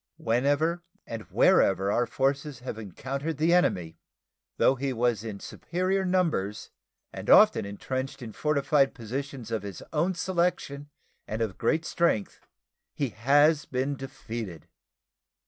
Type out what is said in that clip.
Whenever and wherever our forces have encountered the enemy, though he was in vastly superior numbers and often intrenched in fortified positions of his own selection and of great strength, he has been defeated.